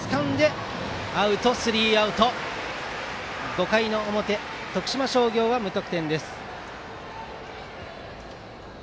５回の表徳島商業は無得点です。